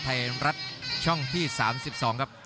ไทยรัฐช่องที่๓๒ครับ